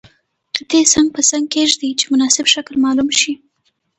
قطي څنګ په څنګ کیږدئ چې مناسب شکل معلوم شي.